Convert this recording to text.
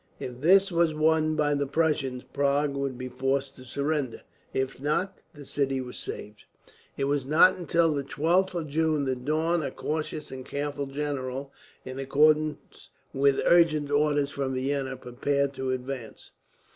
If this was won by the Prussians, Prague would be forced to surrender. If not, the city was saved. It was not until the 12th of June that Daun, a cautious and careful general, in accordance with urgent orders from Vienna prepared to advance.